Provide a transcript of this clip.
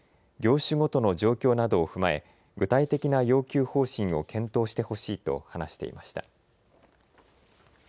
業種ごとの状況などを踏まえ、具体的な要求方針を検討してほしいと話していました。